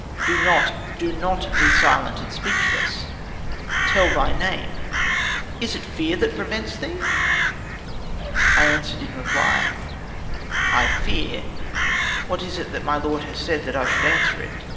Do not, do not, be silent and speechless; tell thy name; is it fear that prevents thee?" I answered in reply, "I fear, what is it that my lord has said that I should answer it?